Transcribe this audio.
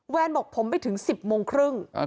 แวนบอกผมไปถึง๑๐โมงครึ่ง